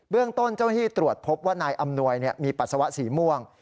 เรื่องต้นเจ้าหน้าที่ตรวจพบว่านายอำนวยมีปัสสาวะสีม่วง